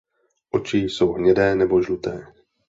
Oči jsou hnědé nebo žluté.